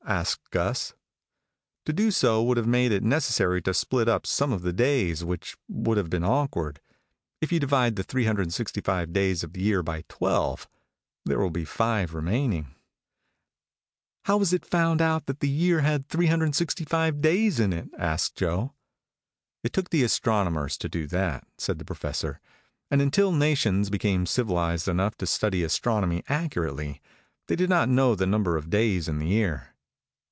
asked Gus. "To do so would have made it necessary to split up some of the days, which would have been awkward. If you divide the 365 days of the year by twelve, there will be five remaining." "How was it found out that the year had 365 days in it?" asked Joe. "It took the astronomers to do that," said the Professor; "and until nations became civilized enough to study astronomy accurately, they did not know the number of days in the year.